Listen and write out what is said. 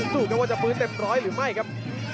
ดูว่าจะฟื้นเต็มร้อยหรือไม่ครับ